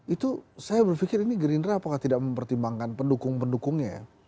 itu saya berpikir ini gerindra apakah tidak mempertimbangkan pendukung pendukungnya ya